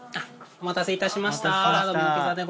お待たせしました。